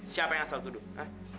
siapa yang asal tuduh